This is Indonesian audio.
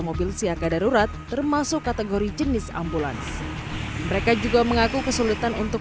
mobil siaga darurat termasuk kategori jenis ambulans mereka juga mengaku kesulitan untuk